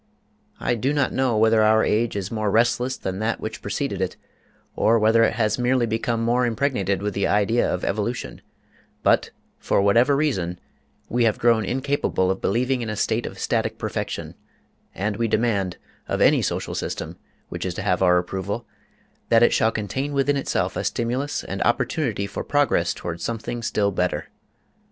I do not know whether our age is more restless than that which preceded it, or whether it has merely become more impregnated with the idea of evolution, but, for whatever reason, we have grown incapable of believing in a state of static perfection, and we demand, of any social system, which is to have our approval, that it shall contain within itself a stimulus and opportunity for progress toward something still better.